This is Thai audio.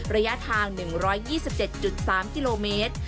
ระยะทาง๑๒๗๓กิโลเมตร